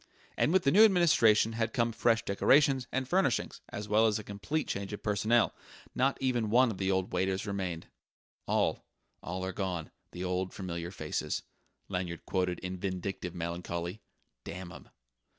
And with the new administration had come fresh decorations and furnishings as well as a complete change of personnel: not even one of the old waiters remained. "'All, all are gone, the old familiar faces,'" Lanyard quoted in vindictive melancholy "damn 'em!"